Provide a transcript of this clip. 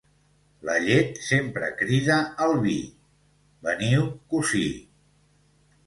La llet sempre crida al vi: veniu, cosí.